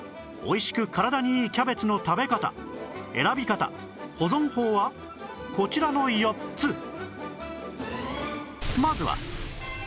おいしく体にいいキャベツの食べ方選び方保存法はこちらの４つ